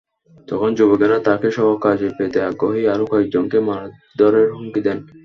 তখন যুবকেরা তাঁকেসহ কাজ পেতে আগ্রহী আরও কয়েকজনকে মারধরের হুমকি দেন।